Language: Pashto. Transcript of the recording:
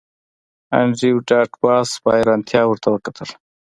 انډریو ډاټ باس په حیرانتیا ورته وکتل